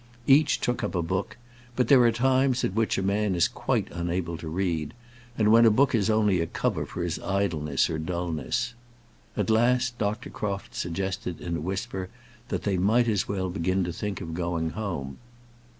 Each took up a book; but there are times at which a man is quite unable to read, and when a book is only a cover for his idleness or dulness. At last, Dr. Crofts suggested, in a whisper, that they might as well begin to think of going home.